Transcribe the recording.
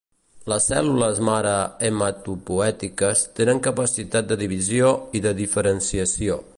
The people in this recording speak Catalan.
Les cèl·lules mare hematopoètiques tenen capacitat de divisió i de diferenciació.